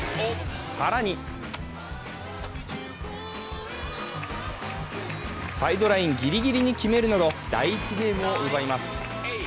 更にサイドラインぎりぎりに決めるなど第１ゲームを奪います。